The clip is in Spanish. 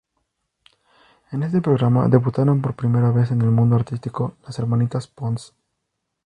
En este programa debutaron por primera vez en el mundo artístico las hermanitas Pons.